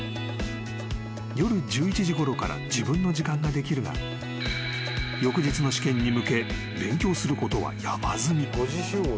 ［夜１１時ごろから自分の時間ができるが翌日の試験に向け勉強することは山積み］